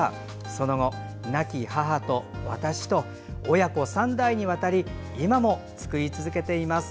その後、亡き母と私と親子３代にわたり今も作り続けています。